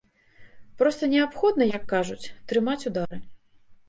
Проста неабходна, як кажуць, трымаць удары.